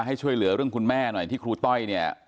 ให้ช่วยเหลือเรื่องคุณแม่หน่อยที่ครูต้อยเนี่ย